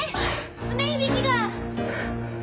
梅響が。